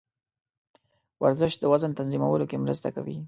ورزش د وزن تنظیمولو کې مرسته کوي.